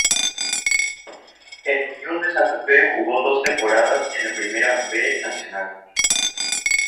En Unión de Santa Fe jugó dos temporadas en la Primera "B" Nacional.